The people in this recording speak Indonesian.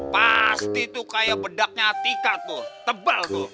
pasti tuh kayak bedaknya atika tuh tebal tuh